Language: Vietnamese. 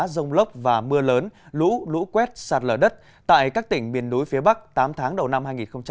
rông lốc và mưa lớn lũ lũ quét sạt lở đất tại các tỉnh miền núi phía bắc tám tháng đầu năm hai nghìn hai mươi